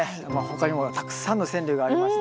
他にもたくさんの川柳がありました。